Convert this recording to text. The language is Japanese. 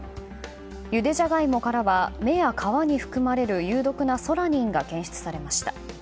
ゆでジャガイモからは芽や皮に含まれる、有毒なソラニンが検出されました。